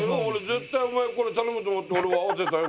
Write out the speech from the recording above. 絶対お前これ頼むと思って俺は合わせたよ